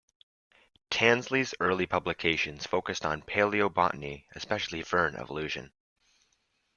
Tansley's early publications focused on palaeobotany, especially fern evolution.